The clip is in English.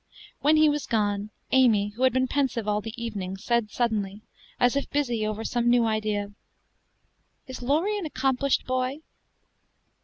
When he was gone, Amy, who had been pensive all the evening, said suddenly, as if busy over some new idea: "Is Laurie an accomplished boy?"